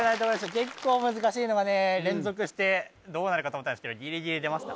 結構難しいのがね連続してどうなるかと思ったんですけどギリギリ出ました